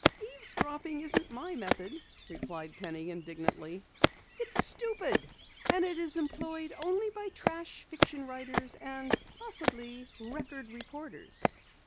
"Eavesdropping isn't my method," replied Penny indignantly. "It's stupid and is employed only by trash fiction writers and possibly Record reporters."